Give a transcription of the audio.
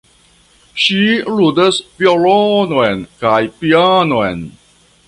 Ŝi ludas violonon kaj pianon.